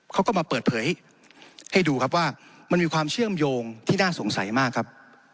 เขาก็มาเปิดเผยให้ดูครับว่ามันมีความเชื่อมโยงที่น่าสงสัยมากครับ